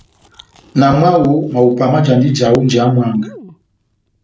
Na mwáho, mahupa majandini ija ó njeya mwángá.